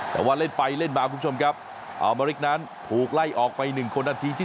แต่ว่าเล่นไปเล่นมาคุณผู้ชมครับอามริกนั้นถูกไล่ออกไป๑คนนาทีที่